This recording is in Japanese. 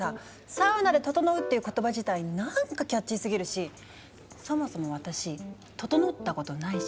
「サウナでととのう」っていう言葉自体なんかキャッチーすぎるしそもそも私ととのったことないし。